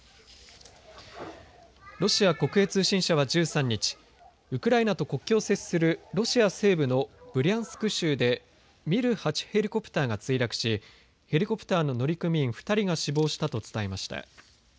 ロシア国営通信社は１３日ウクライナと国境を接するロシア西部のブリャンスク州でＭｉ８ヘリコプターが墜落しヘリコプターの乗組員２人が死亡したと伝えました。